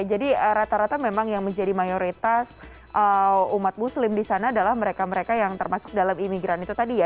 jadi rata rata memang yang menjadi mayoritas umat muslim di sana adalah mereka mereka yang termasuk dalam imigran itu tadi ya